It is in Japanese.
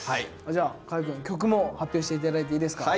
じゃあ河合くん曲も発表して頂いていいですか。